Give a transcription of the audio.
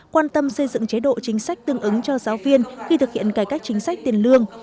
quan tâm xây dựng chế độ chính sách tương ứng cho giáo viên khi thực hiện cải cách chính sách tiền lương